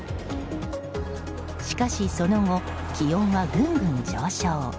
しかしその後気温はぐんぐん上昇。